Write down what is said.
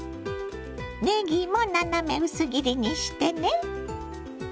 ねぎも斜め薄切りにしてね。